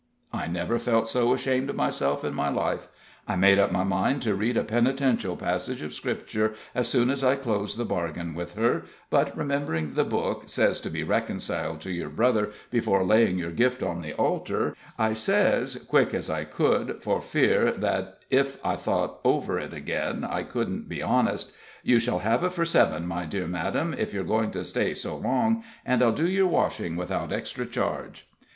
I never felt so ashamed of myself in my life. I made up my mind to read a penitential passage of Scripture as soon as I closed the bargain with her, but, remembering the Book says to be reconciled to your brother before laying your gift on the altar, I says, quick as I could, for fear that if I thought over it again I couldn't be honest: "You shall have it for seven, my dear madame, if you're going to stay so long, and I'll do your washing without extra charge."